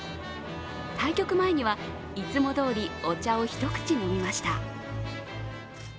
対局前には、いつもどおりお茶を一口飲みました。